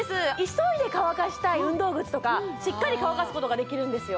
急いで乾かしたい運動靴とかしっかり乾かすことができるんですよ